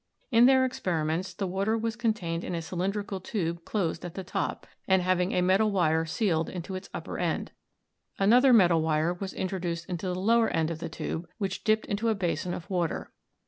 In their experiments the water was contained in a cylin drical tube closed at the top, and having a metal wire 248 ELECTRO CHEMISTRY 249 sealed into its upper end. Another metal wire was intro duced into the lower end of the tube, which dipped into a basin of water.